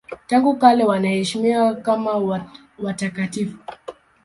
Tangu kale wote wanaheshimiwa kama watakatifu.